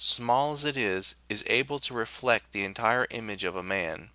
.03 small as it is, is able to reflect the entire image of a man.